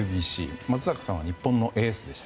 松坂さんは日本のエースでした。